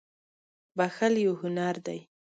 • بښل یو هنر دی.